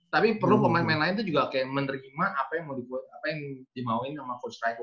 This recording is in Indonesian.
tapi perlu pemain pemain lain tuh juga kayak menerima apa yang mau dibuat apa yang dimauin sama first travel